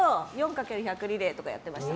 かける１００リレーとかやってました。